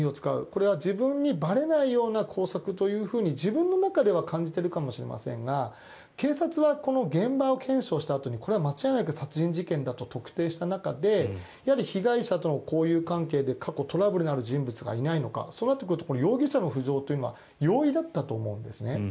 これは自分にばれないような工作というふうに自分の中では感じているかもしれませんが警察は現場検証したあとにこれは間違いなく殺人事件だと特定した中で被害者との交友関係で過去、トラブルのある人物がいないのかそうなってくると容疑者の浮上というのは容易だったと思うんですね。